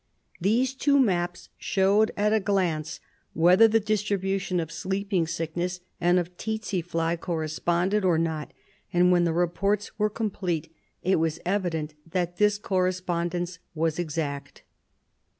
These two maps showed at a glance whether the distri bution of sleeping sickness and of tsetse fly corresponded or not, and when the reports were complete it was evident that the correspondence was exact.